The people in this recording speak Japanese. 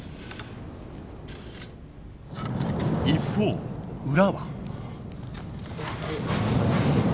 一方裏は。